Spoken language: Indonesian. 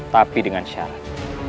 tapi dengan syarat